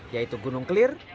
yaitu gunung kelir